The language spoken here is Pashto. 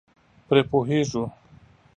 پرې پوهېږو.